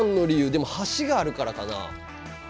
でも橋があるからかな。